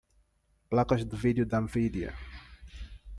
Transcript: Placas de vídeo da Nvidia.